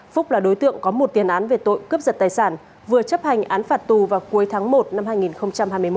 phúc là đối tượng có một tiền án về tội cướp giật tài sản vừa chấp hành án phạt tù vào cuối tháng một năm hai nghìn hai mươi một